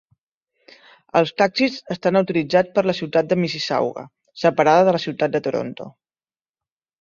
Els taxis estan autoritzats per la ciutat de Mississauga, separada de la ciutat de Toronto.